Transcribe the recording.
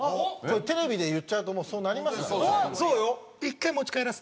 テレビで言っちゃうともうそうなりますからね。